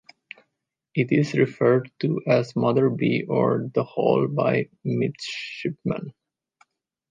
It is referred to as "Mother B" or "The Hall" by Midshipmen.